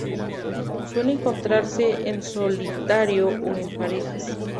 Suele encontrarse en solitario o en parejas.